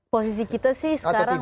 posisi kita sih sekarang